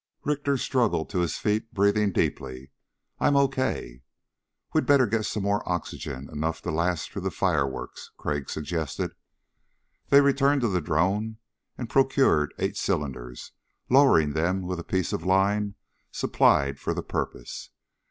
Richter struggled to his feet breathing deeply. "I'm okay." "We'd better get some more oxygen enough to last through the fireworks," Crag suggested. They returned to the drone and procured eight cylinders, lowering them with a piece of line supplied for the purpose.